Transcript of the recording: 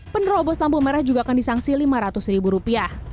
penerobos lampu merah juga akan disangsi rp lima ratus